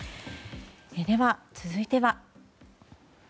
では、続いては。